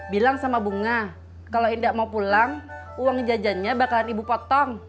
bilang sama bunga kalau hendak mau pulang uang jajannya bakalan ibu potong